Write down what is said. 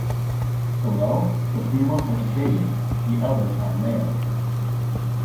Below, the females are stated, the others are male.